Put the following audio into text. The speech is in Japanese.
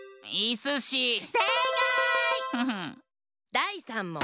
だい３もん！